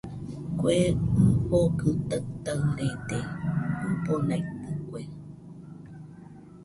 Kue ifɨgɨ taɨtarede, ɨbonaitɨkue